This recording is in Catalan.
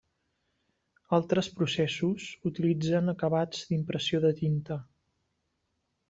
Altres processos utilitzen acabats d'impressió de tinta.